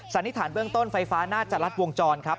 สันนิษฐานเบื้องต้นไฟฟ้าน่าจะรัดวงจรครับ